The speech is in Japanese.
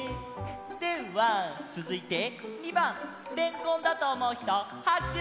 ではつづいて２ばんレンコンだとおもうひとはくしゅ！